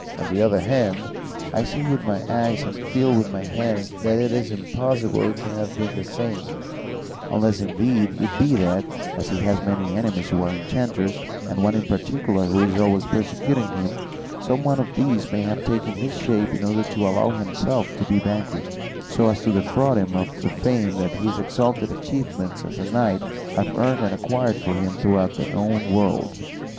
On the other hand, I see with my eyes and feel with my hands that it is impossible it can have been the same; unless indeed it be that, as he has many enemies who are enchanters, and one in particular who is always persecuting him, some one of these may have taken his shape in order to allow himself to be vanquished, so as to defraud him of the fame that his exalted achievements as a knight have earned and acquired for him throughout the known world.